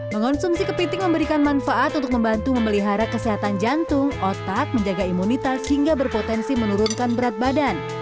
mengonsumsi kepiting memberikan manfaat untuk membantu memelihara kesehatan jantung otak menjaga imunitas hingga berpotensi menurunkan berat badan